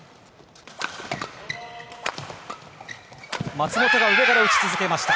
松本が上から打ち続けました。